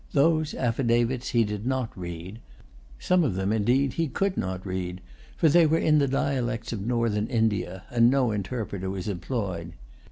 Those affidavits he did not read. Some of them, indeed, he could not read; for they were in the dialects of Northern India, and no interpreter was employed.